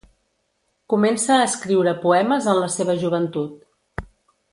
Començà a escriure poemes en la seva joventut.